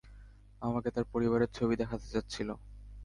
আমাকে তার পরিবারের ছবি দেখাতে চাচ্ছিলো।